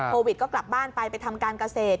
โควิดก็กลับบ้านไปไปทำการเกษตร